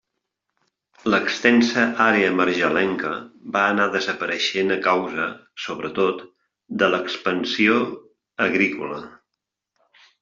L'extensa àrea marjalenca va anar desapareixent a causa, sobretot, de l'expansió agrícola.